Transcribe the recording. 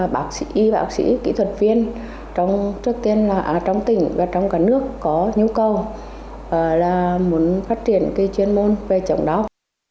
bác sĩ y bác sĩ kỹ thuật viên trước tiên là trong tỉnh và trong cả nước có nhu cầu là muốn phát triển cái chuyên môn về chống đau